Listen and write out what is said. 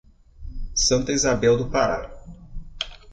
Santa Isabel do Pará